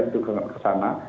itu ke sana